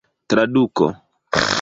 traduko